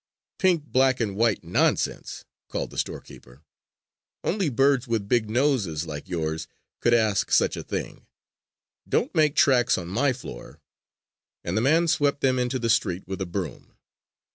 "Pink, black and white nonsense!" called the storekeeper. "Only birds with big noses like yours could ask for such a thing. Don't make tracks on my floor!" And the man swept them into the street with a broom.